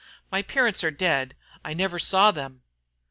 "My parents are dead. I never saw them."